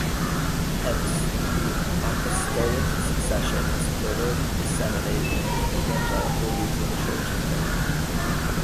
Hence the apostolic succession was further disseminated in the Evangelical Lutheran Church of Finland.